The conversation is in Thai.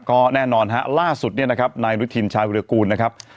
ก็แน่นอนฮะล่าสุดเนี่ยนะครับนายอนุทินชายวิรากูลนะครับ